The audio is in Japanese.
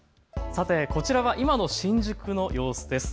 さてこちらは今の新宿の様子です。